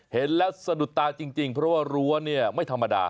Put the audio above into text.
เห็นแล้วสะดุดตาจริงเพราะว่ารั้วเนี่ยไม่ธรรมดา